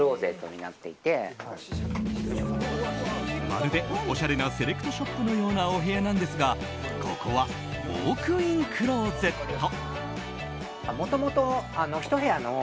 まるで、おしゃれなセレクトショップのようなお部屋なんですが、ここはウォークインクローゼット。